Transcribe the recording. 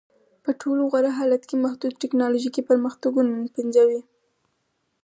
په تر ټولو غوره حالت کې محدود ټکنالوژیکي پرمختګونه پنځوي